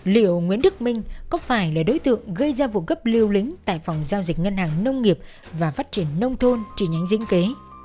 liệu nguyễn đức minh có phải là đối tượng gây ra vụ gấp lưu lính tại phòng giao dịch ngân hàng nông nghiệp và phát triển nông thôn trên nhánh dinh kế